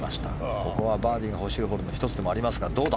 ここはバーディーが欲しいホールの１つではありますがどうだ。